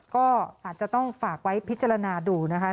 ก็อาจจะต้องฝากไว้พิจารณาดูนะคะ